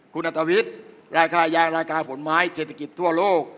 คุณอัตวิทย์ราคายางราคาผลไม้เศรษฐกิจทั่วโลก